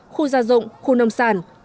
khu gia rộng khu nông sản